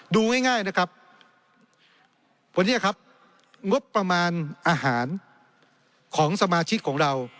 ดูง่ายนะครับวันนี้ครับงบประมาณอาหารของสมาชิกของเรา